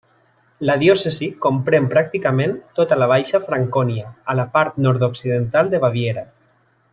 La diòcesi comprèn pràcticament tota la Baixa Francònia, a la part nord-occidental de Baviera.